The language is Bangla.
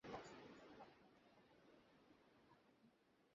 এর আগে তিনি বাংলাদেশের হাই পারফরম্যান্স ইউনিটের ব্যাটিং কোচ হিসাবে অংশ নিয়েছিলেন।